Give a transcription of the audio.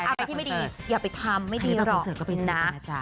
อะไรที่ไม่ดีอย่าไปทำไม่ดีหรอกนะ